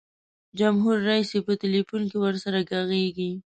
جمهور رئیس یې په ټلفون کې ورسره ږغیږي.